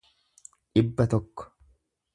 dhibba tokko